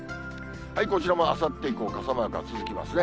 こちらもあさって以降、傘マークが続きますね。